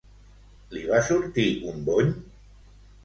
Li va sortir un bony?